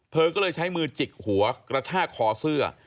เธอก็เลยใช้มือจิกหัวกระชากคอเสื้อ